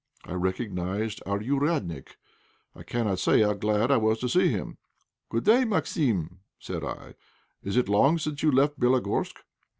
I recognized our "ouriadnik." I cannot say how glad I was to see him. "Good day, Maximitch," said I, "is it long since you left Bélogorsk?"